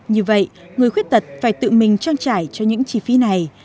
như vậy người khuyết tật phải tự mình trang trải cho những chi phí này